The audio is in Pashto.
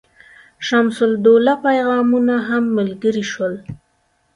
شمس الدوله پیغامونه هم ملګري شول.